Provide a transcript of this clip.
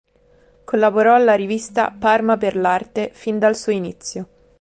Collaborò alla rivista "Parma per" l’"Arte" fin dal suo inizio.